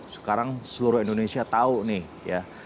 sekarang seluruh indonesia tahu nih ya